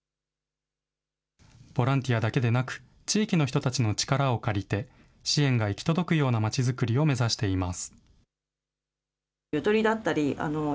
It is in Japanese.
ボランティアだけでなく、地域の人たちの力を借りて、支援が行き届くような町づくりを目指しています。